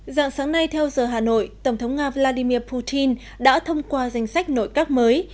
dạng sáng nay theo giờ hà nội tổng thống nga vladimir putin đã thông qua danh sách nội các mới